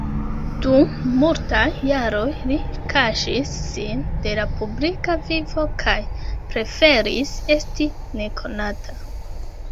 Dum multaj jaroj li kaŝis sin de la publika vivo kaj preferis esti nekonata.